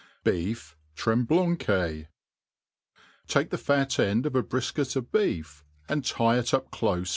B^ef TremMonque* TAKE the fat end of a brifcuit of beef, and tie it up clofe.